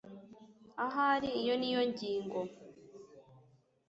ahari iyo niyo ngingo